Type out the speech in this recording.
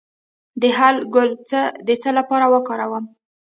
د هل ګل د څه لپاره وکاروم؟